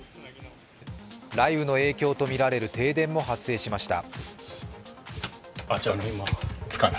雷雨の影響とみられる停電も発生しました。